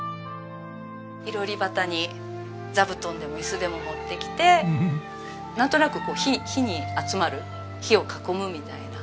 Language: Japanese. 囲炉裏端に座布団でも椅子でも持ってきてなんとなくこう火に集まる火を囲むみたいな。